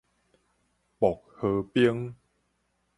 薄荷冰